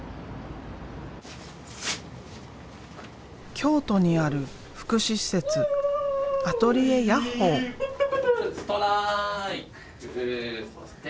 京都にある福祉施設「アトリエやっほぅ！！」。